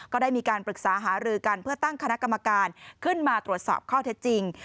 ก็ได้มีการปรึกษาหารือกันเพื่อตั้งคณะกรรมการขึ้นมาตรวจสอบข้อเท็จจริง